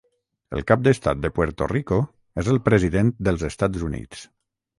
El cap d'estat de Puerto Rico és el President dels Estats Units.